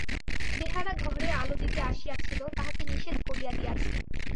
বেহারা ঘরে আলো দিতে আসিয়াছিল তাহাকে নিষেধ করিয়া দিয়াছে।